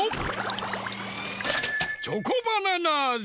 チョコバナナあじ！